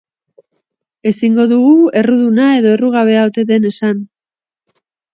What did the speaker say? Ezingo dugu erruduna edo errugabea ote den esan.